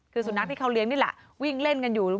คือสุนัขที่เขาเลี้ยงนี่แหละวิ่งเล่นกันอยู่